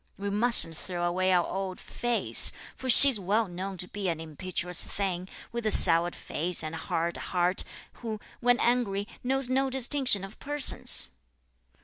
We mustn't throw away our old 'face,' for she's well known to be an impetuous thing, with a soured face and a hard heart, who, when angry, knows no distinction of persons."